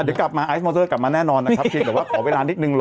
เดี๋ยวกลับมาไอฟิสโมนเซอร์แน่นอนแต่ว่าขอเวลานิดหนึ่ง